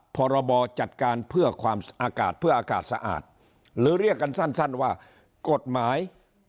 พรบจัดการเพื่อความอากาศเพื่ออากาศสะอาดหรือเรียกกันสั้นว่ากฎหมาย